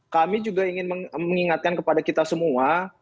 kami juga ingin mengingatkan kepada kita semua